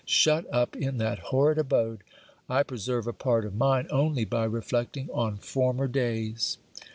Shut up in that horrid abode. I preserve a part of mine, only by reflecting on former days.'